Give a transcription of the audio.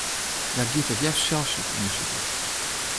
Hja giet it leafst sels op ûndersyk út.